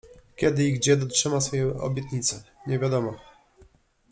Kiedy i gdzie dotrzyma swej obietnicy… nie wiadomo.